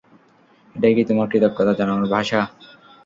এটাই কি তোমার কৃতজ্ঞতা জানানোর ভাষা?